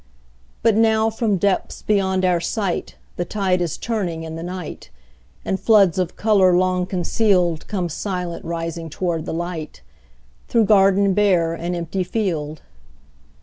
But now from depths beyond our sight, The tide is turning in the night, And floods of color long concealed Come silent rising toward the light, Through garden bare and empty field.